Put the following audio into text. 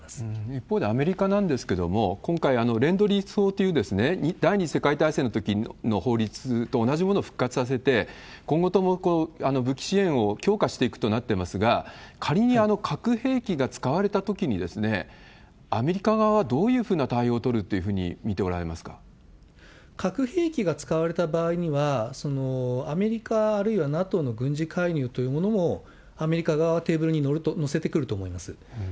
一方でアメリカなんですけれども、今回、レンドリー法という第２次世界大戦のときの法律と同じものを復活させて、今後とも武器支援を強化していくとなってますが、仮に核兵器が使われたときに、アメリカ側はどういうふうな対応を取るっていうふうに見ておられ核兵器が使われた場合には、アメリカ、あるいはＮＡＴＯの軍事介入というものも、アメリカ側はテーブルに載せてくると思います。